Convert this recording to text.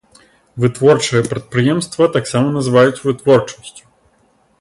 Вытворчае прадпрыемства таксама называюць вытворчасцю.